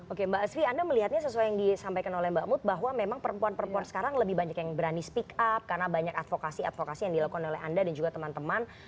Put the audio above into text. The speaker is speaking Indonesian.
oke mbak asfi anda melihatnya sesuai yang disampaikan oleh mbak mut bahwa memang perempuan perempuan sekarang lebih banyak yang berani speak up karena banyak advokasi advokasi yang dilakukan oleh anda dan juga teman teman